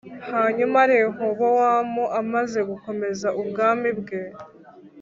hanyuma rehobowamu amaze gukomeza ubwami bwe